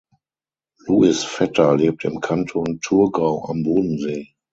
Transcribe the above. Luis Vetter lebt im Kanton Thurgau am Bodensee.